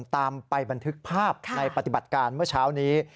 ตามไปบันทึกภาพในปฏิบัติการเมื่อเช้านี้